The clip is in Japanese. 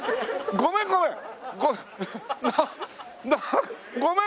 ごめんごめん。